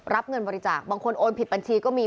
รับเงินบริจาคบางคนโอนผิดบัญชีก็มี